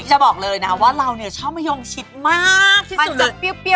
จะบอกเลยนะว่าเราเนี่ยชอบมะยงชิดมากที่สุดเลยเปรี้ยว